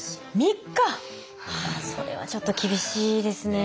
ああそれはちょっと厳しいですね。